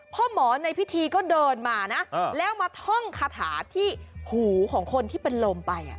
พ่อหมอในพิธีก็เดินมานะแล้วมาท่องคาถาที่หูของคนที่เป็นลมไป